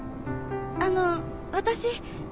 あの私。